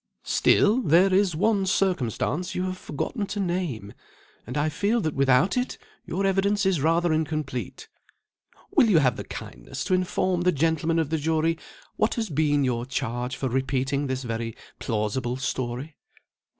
Still there is one circumstance you have forgotten to name; and I feel that without it your evidence is rather incomplete. Will you have the kindness to inform the gentlemen of the jury what has been your charge for repeating this very plausible story?